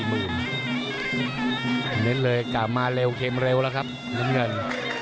เน้นเลยกลับมาเร็วเข็มเร็วแล้วครับน้ำเงิน